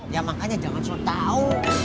ya makanya jangan suruh tau